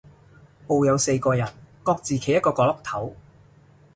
部有四個人，各自企一個角落頭